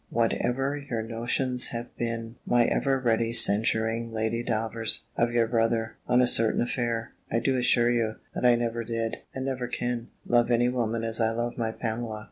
Whatever your notions have been, my ever ready censuring Lady Davers, of your brother, on a certain affair, I do assure you, that I never did, and never can, love any woman as I love my Pamela.